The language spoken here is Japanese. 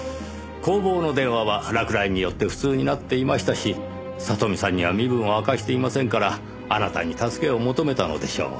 工房の電話は落雷によって不通になっていましたし里実さんには身分を明かしていませんからあなたに助けを求めたのでしょう。